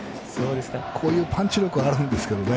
こういうパンチ力はあるんですけどね